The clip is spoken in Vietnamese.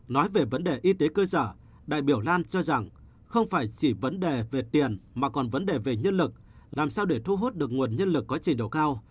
nói về vấn đề y tế cơ sở đại biểu lan cho rằng không phải chỉ vấn đề về tiền mà còn vấn đề về nhân lực làm sao để thu hút được nguồn nhân lực có trình độ cao